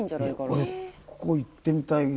俺ここ行ってみたい。